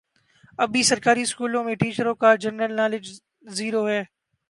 اب بھی سرکاری سکولوں میں ٹیچروں کا جنرل نالج زیرو ہے